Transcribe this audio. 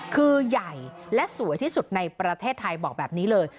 คือใหญ่และสวยที่สุดในประเทศไทยบอกแบบนี้เลย